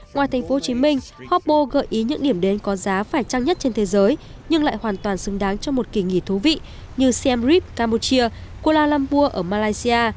ngoài thành phố hồ chí minh hoppa gợi ý những điểm đến có giá phải trăng nhất trên thế giới nhưng lại hoàn toàn xứng đáng cho một kỳ nghỉ thú vị như siem reap cambodia kuala lumpur ở malaysia